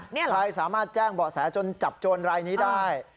ใครสามารถแจ้งเบาะแสจนจับโจรรายนี้ได้